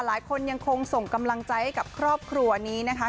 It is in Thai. หลายคนยังคงส่งกำลังใจให้กับครอบครัวนี้นะคะ